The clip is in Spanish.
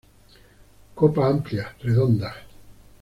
Copa amplia, redonda.